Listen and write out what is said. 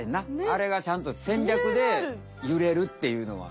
あれがちゃんと戦略でゆれるっていうのは。